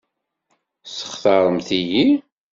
Textaṛemt-iyi?